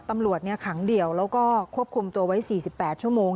ตำรวจขังเดี่ยวแล้วก็ควบคุมตัวไว้๔๘ชั่วโมง